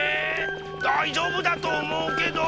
だいじょうぶだとおもうけど。